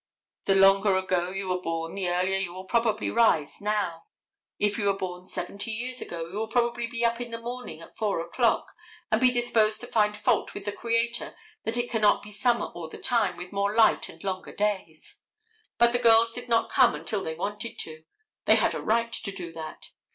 The longer ago you were born the earlier you will probably rise now. If you were born seventy years ago, you will probably be up in the morning at 4 o'clock, and be disposed to find fault with the Creator that it cannot be summer all the time with more light and longer days. But the girls did not come until they wanted to. They had a right to do that.